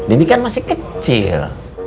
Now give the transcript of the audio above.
ini kan masih kecil